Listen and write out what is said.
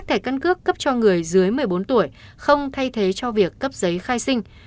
thẻ căn cước cấp cho người dưới một mươi bốn tuổi không thay thế cho việc cấp giấy khai sinh